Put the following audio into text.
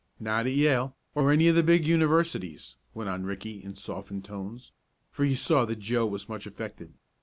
"Not at Yale, or any of the big universities," went on Ricky in softened tones, for he saw that Joe was much affected.